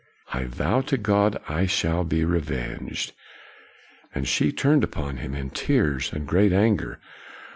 I vow to God I shall be revenged.'' And she turned upon him, in tears and great anger.